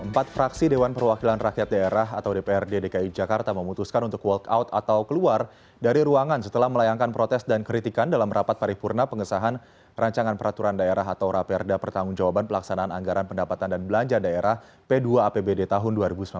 empat fraksi dewan perwakilan rakyat daerah atau dprd dki jakarta memutuskan untuk walkout atau keluar dari ruangan setelah melayangkan protes dan kritikan dalam rapat paripurna pengesahan rancangan peraturan daerah atau raperda pertanggung jawaban pelaksanaan anggaran pendapatan dan belanja daerah p dua apbd tahun dua ribu sembilan belas